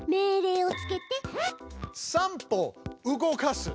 「３歩動かす」。